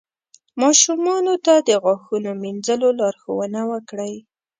ماشومانو ته د غاښونو مینځلو لارښوونه وکړئ.